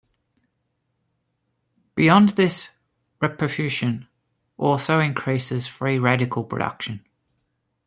Beyond this, reperfusion also increases free radical production.